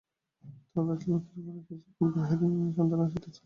তখন রাজলক্ষ্মীর সঙ্গে কিছুক্ষণ গল্প করিয়া বিহারী মহেন্দ্রের সন্ধানে আসিতেছিল।